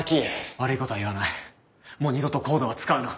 悪いことは言わないもう二度とＣＯＤＥは使うな。